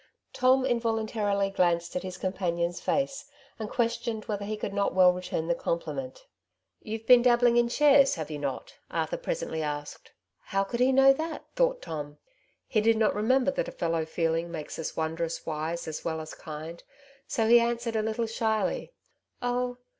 Tom involuntarily glanced at his com panion's face, and questioned whether he could not well return the compliment. ^' You've been dabbling in shares, have you not ?" Arthur presently ksked. " How could he know that ?" thought Tom. He did not remember that a fellow feeling makes us wondrous wise as well as kind, so he answered a little shyly,— '' Oh